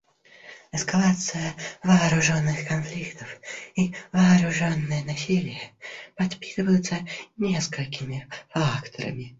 Эскалация вооруженных конфликтов и вооруженное насилие подпитываются несколькими факторами.